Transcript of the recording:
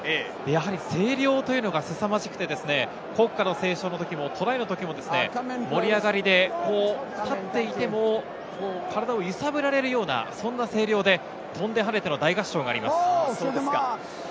声量がすさまじくて、国歌斉唱のときも、トライのときも大盛り上がりで立っていても体を揺さぶられるような声量で、飛んで跳ねての大合唱があります。